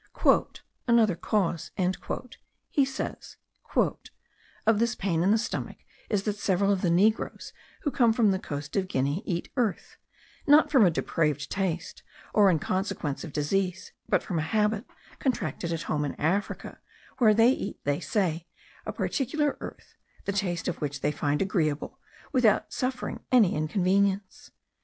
"Another cause," he says, "of this pain in the stomach is that several of the negroes, who come from the coast of Guinea, eat earth; not from a depraved taste, or in consequence of disease, but from a habit contracted at home in Africa, where they eat, they say, a particular earth, the taste of which they find agreeable, without suffering any inconvenience.